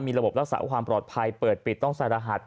ระบบรักษาความปลอดภัยเปิดปิดต้องใส่รหัส